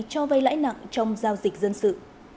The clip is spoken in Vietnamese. cho vây lãi nặng trong giao dịch dân sự